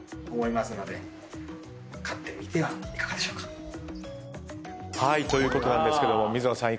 ぜひ。ということなんですけども水野さん